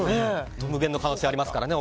無限の可能性ありますからね。